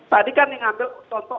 tadi kan diambil contoh ahok